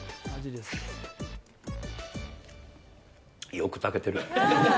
よく炊けてる。